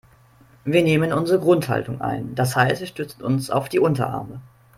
Wir nehmen unsere Grundhaltung ein, das heißt wir stützen uns auf die Unterarme.